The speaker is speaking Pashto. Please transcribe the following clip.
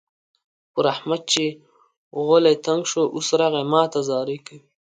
پر احمد چې غولی تنګ شو؛ اوس راغی ما ته زارۍ کوي.